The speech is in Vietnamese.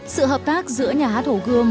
sự hợp tác giữa nhà hát hồ gươm